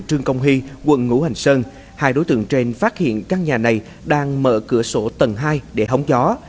trương công huy quận ngũ hành sơn hai đối tượng trên phát hiện căn nhà này đang mở cửa sổ tầng hai để hóng gió